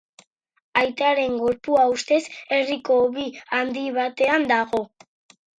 Aitaren gorpua ustez herriko hobi handi batean dago.